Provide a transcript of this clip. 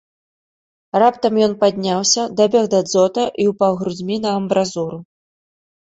Раптам ён падняўся, дабег да дзота і ўпаў грудзьмі на амбразуру.